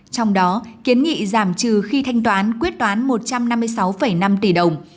trong đó kiến nghị giảm trừ khi thanh toán quyết toán một trăm năm mươi sáu năm tỷ đồng